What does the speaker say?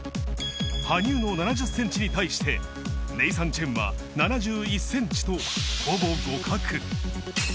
羽生の７０ｃｍに対して、ネイサン・チェンは７１ｃｍとほぼ互角。